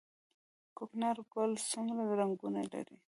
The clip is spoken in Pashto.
کوکنارو ګل څومره رنګونه لري؟